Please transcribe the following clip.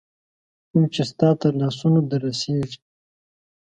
کوم چي ستا تر لاسونو در رسیږي